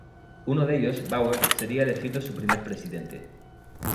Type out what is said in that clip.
Uno de ellos, Bauer, sería elegido su primer presidente.